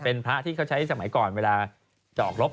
เป็นพระที่เค้าใช้สมัยก่อนเวลาโรขรบ